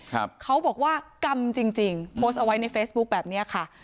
เขาบอกว่ากรรมจริงจริงโพสต์เอาไว้ในเฟซบุ๊คแบบเนี้ยค่ะ